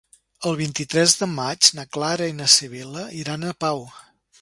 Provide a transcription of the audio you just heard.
El vint-i-tres de maig na Clara i na Sibil·la iran a Pau.